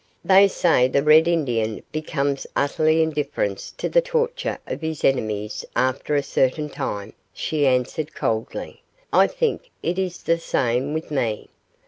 'They say the Red Indian becomes utterly indifferent to the torture of his enemies after a certain time,' she answered, coldly; 'I think it is the same with me.